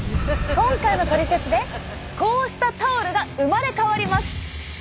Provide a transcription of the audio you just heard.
今回の「トリセツ」でこうしたタオルが生まれ変わります！